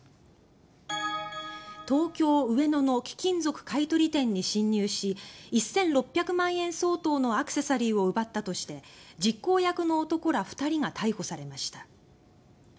東京・上野の貴金属買取店に侵入し１６００万円相当のアクセサリーを奪ったとして実行役の男ら２人が逮捕されました。